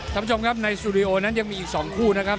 ท่านผู้ชมครับในสตูดิโอนั้นยังมีอีก๒คู่นะครับ